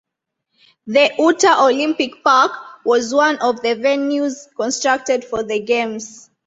The Utah Olympic Park was one of the venues constructed for the games.